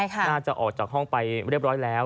น่าจะออกจากห้องไปเรียบร้อยแล้ว